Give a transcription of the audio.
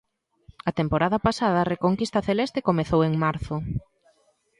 A temporada pasada a reconquista celeste comezou en marzo.